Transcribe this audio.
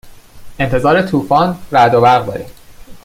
انتظار طوفان رعد و برق داریم.